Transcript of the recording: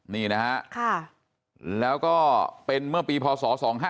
นี่นะฮะแล้วก็เป็นเมื่อปีพศ๒๕๖